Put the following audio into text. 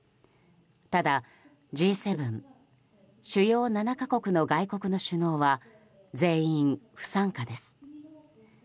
ただ、Ｇ７・主要７か国の外国の首脳は全員不参加です。